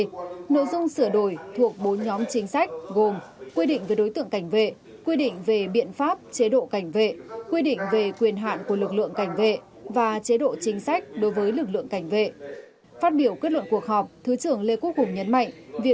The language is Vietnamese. trong nội dung sửa đổi thuộc bốn nhóm chính sách gồm quy định về đối tượng cảnh vệ quy định về biện pháp chế độ cảnh vệ quy định về quyền hạn của lực lượng cảnh vệ và chế độ chính sách đối với lực lượng cảnh vệ